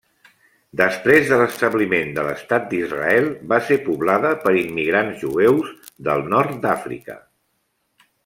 Després de l'establiment de l'Estat d'Israel, va ser poblada per immigrants jueus del Nord d'Àfrica.